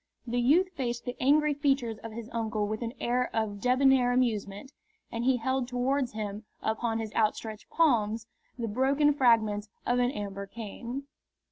The youth faced the angry features of his uncle with an air of debonair amusement, and he held towards him, upon his outstretched palms, the broken fragments of an amber cane.